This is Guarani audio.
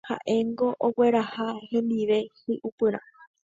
Ha'éngo ogueraha hendive hi'upyrã.